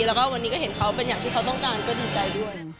แล้วก็วันนี้ก็เห็นเขาเป็นอย่างที่เขาต้องการก็ดีใจด้วย